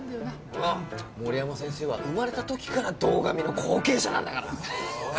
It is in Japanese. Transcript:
ああ森山先生は生まれた時から堂上の後継者なんだから。